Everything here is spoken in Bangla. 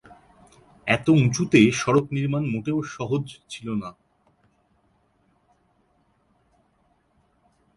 এত উঁচুতে সড়ক নির্মাণ মোটেও সহজ ছিল না।